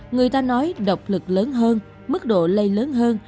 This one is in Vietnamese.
người ta nói độc lực lớn hơn mức độ lây lớn hơn